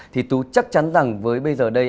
thì tôi chắc chắn rằng với bây giờ đây